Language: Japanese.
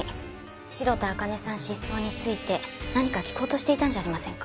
失踪について何か聞こうとしていたんじゃありませんか？